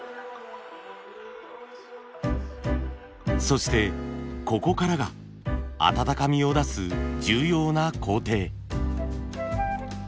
そしてここからが温かみを出す重要な工程。